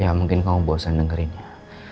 ya mungkin kamu bosan dengerinnya